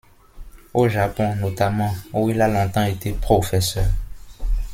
Au Japon, notamment, où il a longtemps été professeur.